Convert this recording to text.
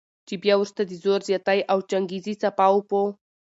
چې بیا وروسته د زور زیاتی او چنګیزي څپاو په